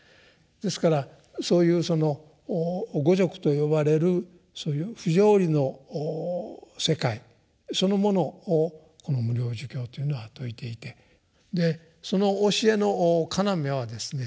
ですからそういうその「五濁」と呼ばれるそういう不条理の世界そのものをこの「無量寿経」というのは説いていてその教えの要はですね